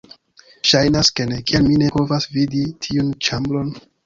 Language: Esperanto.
Ŝajnas ke ne... kial mi ne povas vidi tiun ĉambron?